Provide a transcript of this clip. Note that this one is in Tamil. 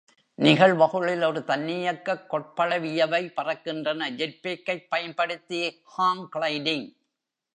நிகழ்வகுளில் ஒரு தன்னியக்கக் கொட்பளவியவை பறக்கின்றன, ஜெட் பேக்கைப் பயன்படுத்தி, ஹாங் கிளைடிங்